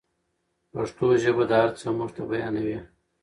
پښتو ژبه دا هر څه موږ ته بیانوي.